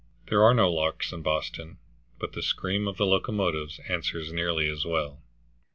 There are no larks in Boston, but the scream of the locomotives answers nearly as well.